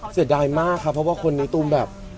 เสียดายมากครับเพราะว่าคนนี้ตูมแบบ